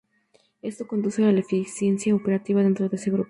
Esto conduce a la eficiencia operativa dentro de ese grupo.